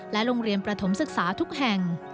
โรงเรียนประถมศึกษาทุกแห่ง